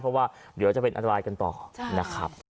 เพราะว่าเดี๋ยวจะเป็นอันตรายกันต่อนะครับ